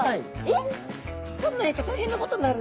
取んないと大変なことになる。